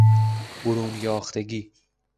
برون یاختگی